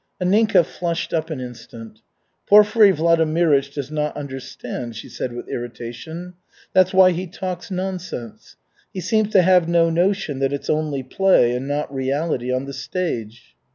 Anninka flushed up an instant. "Porfiry Vladimirych does not understand," she said with irritation. "That's why he talks nonsense. He seems to have no notion that it's only play and not reality on the stage."